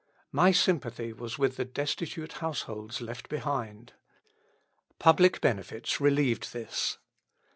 My sympathy was with the destitute households left behind. Public benefits relieved this.